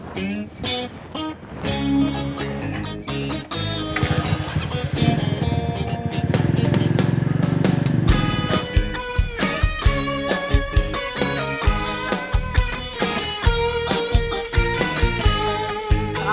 saat ini jangan lupa